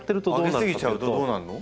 あげ過ぎちゃうとどうなるの？